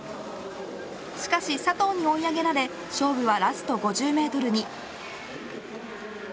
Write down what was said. しかし佐藤に追い上げられ勝負はラスト５０メートルに。